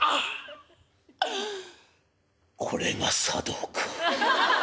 あこれが茶道か」。